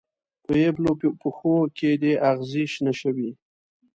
په یبلو پښو کې دې اغزې شنه شوي